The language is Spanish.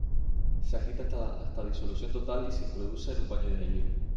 Se agita hasta disolución total y se introduce en un baño de hielo.